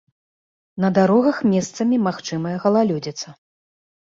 На дарогах месцамі магчымая галалёдзіца.